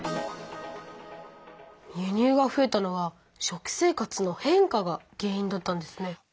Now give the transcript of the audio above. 輸入がふえたのは食生活の変化が原いんだったんですね。